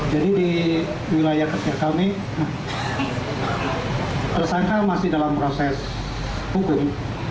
jadi di wilayah kerja kami tersangka masih dalam proses hukum